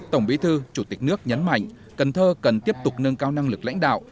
tổng bí thư chủ tịch nước nhấn mạnh cần thơ cần tiếp tục nâng cao năng lực lãnh đạo